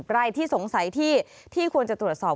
ใครที่สงสัยที่ควรจะตรวจสอบ